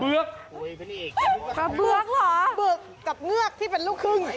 เมื่อกับเหงือกที่เป็นลูกคึ่ง